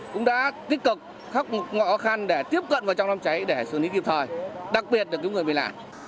cũng đã tích cực khắp một ngõ khăn để tiếp cận vào trong năm cháy để xử lý kịp thời đặc biệt để cứu người bị lạ